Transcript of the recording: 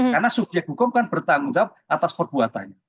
karena subjek hukum kan bertanggung jawab atas perbuatannya